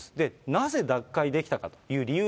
なぜ脱会できたかという理由